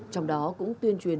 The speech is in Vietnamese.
trong đó cũng tuyên truyền